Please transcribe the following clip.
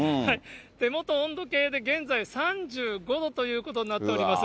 手元温度計で現在３５度ということになっております。